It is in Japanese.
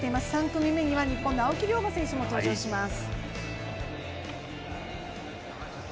３組目には日本の青木涼真選手も登場します。